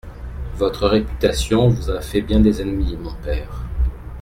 Votre réputation vous a fait bien des ennemis, mon père…